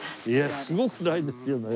いやすごくないですよ。